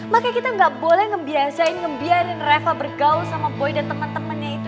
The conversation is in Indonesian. makanya kita nggak boleh ngembiasain ngebiarin reva bergaul sama boy dan temen temennya itu